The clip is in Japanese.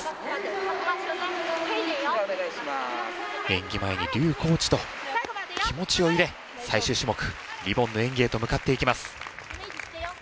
演技前に劉コーチと気持ちを入れ最終種目リボンの演技へと向かっていきます。